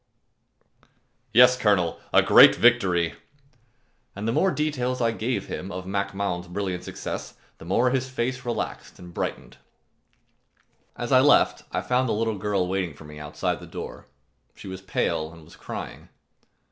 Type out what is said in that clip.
"Yes, Colonel, a great victory!" And the more details I gave him of Mac Mahon's brilliant success, the more his face relaxed and brightened. As I left, I found the little girl waiting for me outside the door. She was pale and was crying.